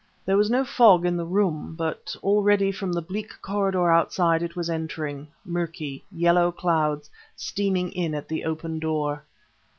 There was no fog in the room, but already from the bleak corridor outside it was entering; murky, yellow clouds steaming in at the open door.